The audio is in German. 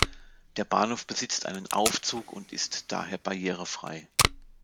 Der Bahnhof besitzt einen Aufzug und ist daher barrierefrei.